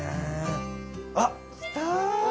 あっ来た！